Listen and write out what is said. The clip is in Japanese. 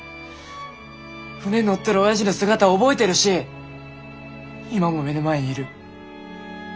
船乗ってるおやじの姿覚えてるし今も目の前にいる。